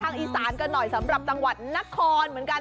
ข้างอีซานกันหน่อยสำหรับชังวาดนคนเหมือนกัน